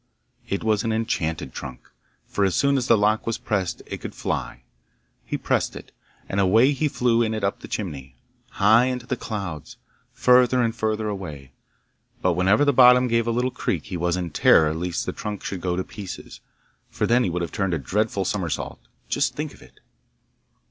It was an enchanted trunk, for as soon as the lock was pressed it could fly. He pressed it, and away he flew in it up the chimney, high into the clouds, further and further away. But whenever the bottom gave a little creak he was in terror lest the trunk should go to pieces, for then he would have turned a dreadful somersault just think of it!